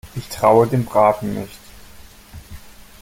Ich traue dem Braten nicht.